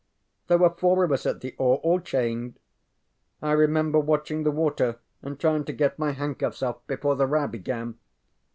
There were four of us at the oar, all chained. I remember watching the water and trying to get my handcuffs off before the row began.